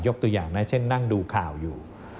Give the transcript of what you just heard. ตัวอย่างนะเช่นนั่งดูข่าวอยู่